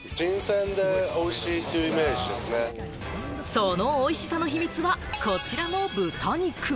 そのおいしさの秘密は、こちらの豚肉。